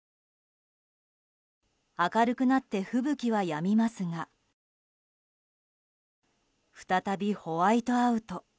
明るくなって吹雪はやみますが再びホワイトアウト。